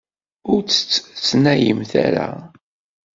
Ur tt-ttnalen ara.